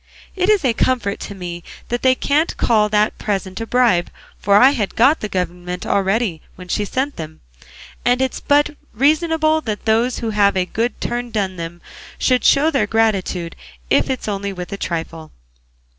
It is a comfort to me that they can't call that present a bribe; for I had got the government already when she sent them, and it's but reasonable that those who have had a good turn done them should show their gratitude, if it's only with a trifle.